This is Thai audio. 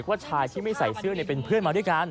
ชายที่ไม่ใส่เสื้อเป็นเพื่อนมาด้วยกัน